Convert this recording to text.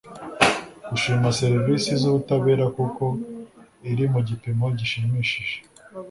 gushima serivisi z’ ubutabera kuko iri ku gipimo gishimishije